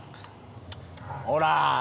ほら。